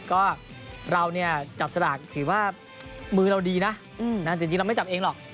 ก็เราเนี่ยจับสลากถือว่ามือเราดีนะจริงเราไม่จับเองหรอก